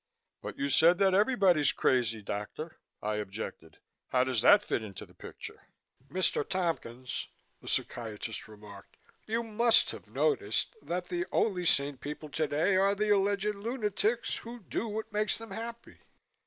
"But you said that everybody's crazy, doctor," I objected. "How does that fit into the picture?" "Mr. Tompkins," the psychiatrist remarked, "you must have noticed that the only sane people today are the alleged lunatics, who do what makes them happy.